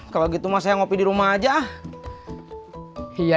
kalau gitu mas saya ngopi di rumah aja